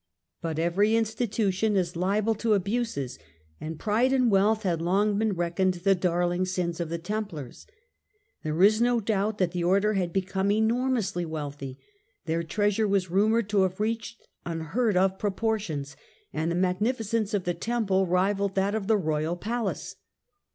But every institution is liable to abuses, and pride and wealth had long been reckoned the darling sins of the Templars. There is no doubt that the Order had become enormously wealthy, their treasure was rumoured to have reached unheard of proportions, and the magnificence of the Temple rivalled that of the royal palace.